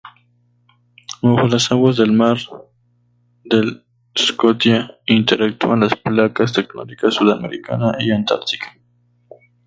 Bajo las aguas del mar del Scotia interactúan las placas tectónicas Sudamericana y Antártica.